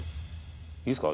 いいすか？